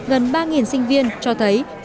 gần ba sinh viên cho thấy